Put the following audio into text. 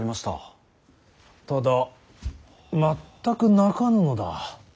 ただ全く鳴かぬのだ。